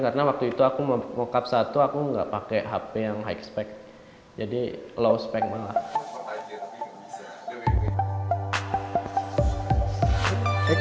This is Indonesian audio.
kalau mau cup satu aku nggak pakai hp yang high spec jadi low spec banget